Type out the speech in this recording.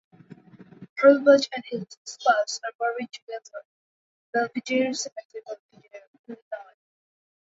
Hurlbut and his spouse are buried together in Belvidere Cemetery, Belvidere, Illinois.